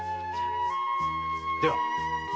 では。